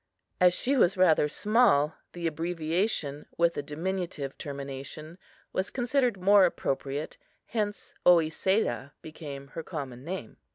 As she was rather small, the abbreviation with a diminutive termination was considered more appropriate, hence Oesedah became her common name.